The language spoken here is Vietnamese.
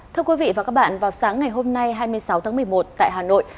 thưa quý vị và các bạn vào sáng ngày hôm nay hai mươi sáu tháng một mươi một tại hà nội